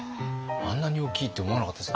あんなに大きいって思わなかったです。